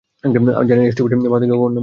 জানি না এই স্টুপিট পাহাড় থেকে কখন নামবো!